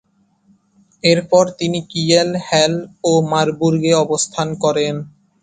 এরপর তিনি Kiel, Halle মারবুর্গে অবস্থান করেন।